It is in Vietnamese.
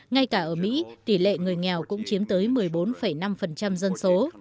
ngay cả ở mỹ tỷ lệ người nghèo cũng chiếm tới một mươi bốn năm dân số